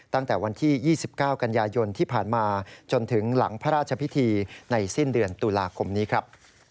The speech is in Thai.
ตั้งแต่วันที่๒๙กันยายนที่ผ่านมาจนถึงหลังพระราชพิธีในสิ้นเดือนตุลาคมนี้ครับ